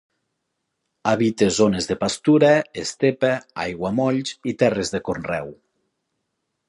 Habita zones de pastura, estepa, aiguamolls i terres de conreu.